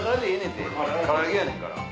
んて唐揚げやねんから。